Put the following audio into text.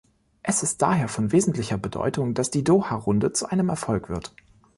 Es ist daher von wesentlicher Bedeutung, dass die Doha-Runde zu einem Erfolg wird.